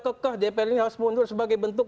kekah dpr ini harus mundur sebagai bentuk